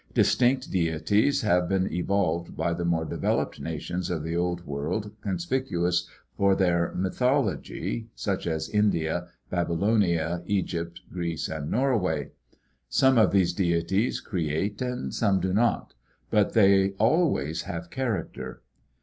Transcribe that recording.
Distinct deities have been evolved by the more developed nations of the old world conspicuous for their mythology, such as India, Babylonia, Egypt, Greece, and Norway. Some of these deities create and some do not; but they always have character.